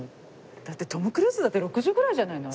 だってトム・クルーズだって６０ぐらいじゃないの？